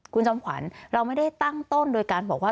คุณจอมขวัญเราไม่ได้ตั้งต้นโดยการบอกว่า